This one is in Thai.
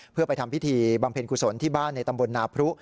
เพื่อไปทำพิธีบำเพ็ญกุศลที่บ้านในตำบลนาพรุ